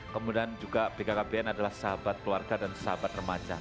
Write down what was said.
kemudian juga bkkbn adalah sahabat keluarga dan sahabat remaja